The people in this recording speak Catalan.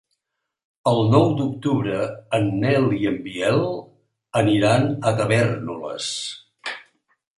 El nou d'octubre en Nel i en Biel aniran a Tavèrnoles.